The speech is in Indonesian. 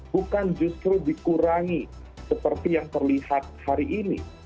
bukan justru dikurangi seperti yang terlihat hari ini